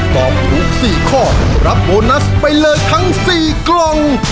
ตอบถูก๔ข้อรับโบนัสไปเลยทั้ง๔กล่อง